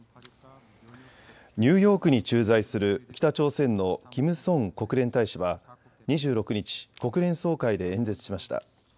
ニューヨークに駐在する北朝鮮のキム・ソン国連大使は２６日、国連総会で演説しました。